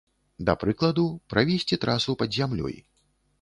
Да прыкладу, правесці трасу пад зямлёй.